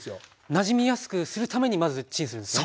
なじみやすくするためにまずチンするんですね。